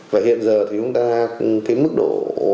và hiện giờ thì chúng ta cái mức độ